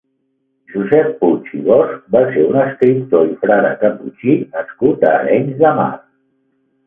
Josep Puig i Bosch va ser un escriptor i frare caputxí nascut a Arenys de Mar.